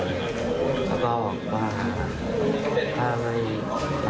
ถ้าแพ้สนานก็จะเอามาเรียบร้อยสักที